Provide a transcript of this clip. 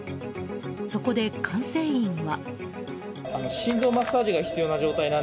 そこで管制員は。